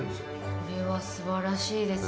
これはすばらしいです。